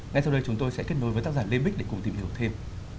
ngay sau đây chúng tôi sẽ kết nối với tác giả lê bích để cùng tìm hiểu thêm